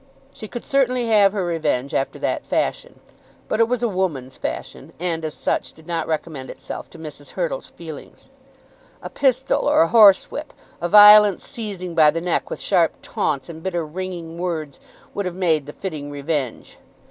She could certainly have her revenge after that fashion. But it was a woman's fashion, and, as such, did not recommend itself to Mrs. Hurtle's feelings. A pistol or a horsewhip, a violent seizing by the neck, with sharp taunts and bitter ringing words, would have made the fitting revenge.